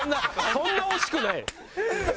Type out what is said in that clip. そんな惜しくない。